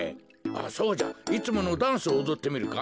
そうじゃいつものダンスをおどってみるか。